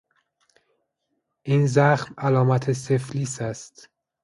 این زخم علامت سفلیس است.